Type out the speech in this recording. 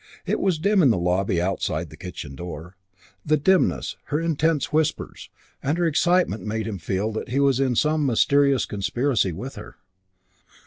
It was dim in the lobby outside the kitchen door. The dimness, her intense whispers and her excitement made him feel that he was in some mysterious conspiracy with her.